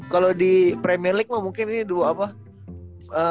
kalo di premier league mah mungkin ini boxing day